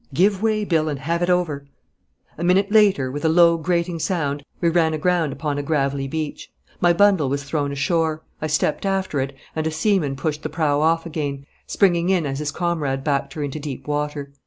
Give way, Bill, and have it over.' A minute later, with a low grating sound, we ran aground upon a gravelly leach. My bundle was thrown ashore, I stepped after it, and a seaman pushed the prow off again, springing in as his comrade backed her into deep water.